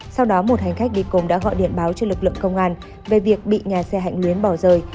sau đó một hành khách đi cùng đã gọi điện báo cho lực lượng công an về việc bị nhà xe hạnh luyến bỏ rời